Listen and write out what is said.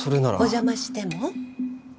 お邪魔しても？